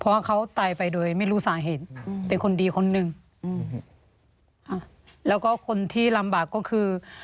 เพราะว่าเขาตายไปโดยไม่รู้สาเหตุอืมเป็นคนดีคนหนึ่งอืมค่ะแล้วก็คนที่ลำบากก็คือ